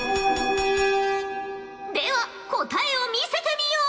では答えを見せてみよ！